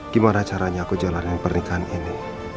gimana caranya aku jalanin pernikahan ini